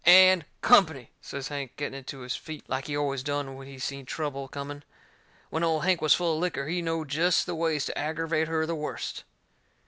"AND COMPANY," says Hank, getting onto his feet, like he always done when he seen trouble coming. When Old Hank was full of licker he knowed jest the ways to aggervate her the worst.